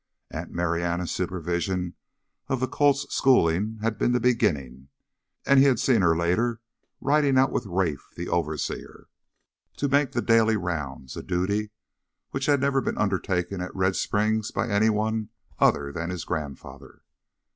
Aunt Marianna's supervision of the colt's schooling had been the beginning. And he had seen her later, riding out with Rafe, the overseer, to make the daily rounds, a duty which had never been undertaken at Red Springs by any one other than his grandfather.